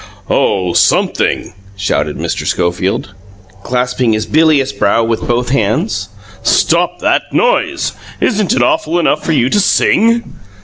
"Oh SOMETHING!" shouted Mr. Schofield, clasping his bilious brow with both hands. "Stop that noise! Isn't it awful enough for you to SING?